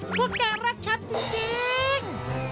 พวกแกรักฉันจริง